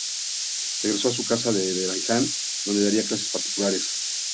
Regresó a su casa de Beniaján, donde daría clases particulares.